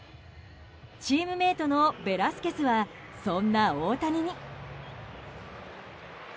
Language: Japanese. チームメートのベラスケスはそんな大谷に。